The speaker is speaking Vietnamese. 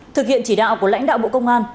thực hiện chỉ đạo của lãnh đạo bộ công an